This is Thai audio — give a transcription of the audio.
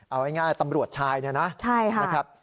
เอาง่ายตำรวจชายนะครับ